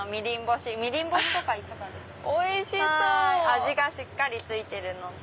味がしっかり付いてる。